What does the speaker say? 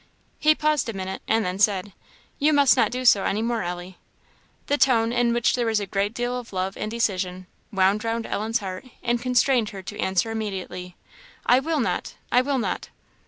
He paused a minute, and then said "You must not do so any more, Ellie." The tone, in which there was a great deal of love and decision, wound round Ellen's heart, and constrained her to answer immediately "I will not I will not."